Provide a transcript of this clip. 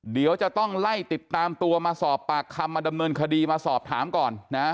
เดี๋ยวจะต้องไล่ติดตามตัวมาสอบปากคำมาดำเนินคดีมาสอบถามก่อนนะ